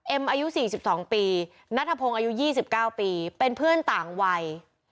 อายุ๔๒ปีนัทพงศ์อายุ๒๙ปีเป็นเพื่อนต่างวัย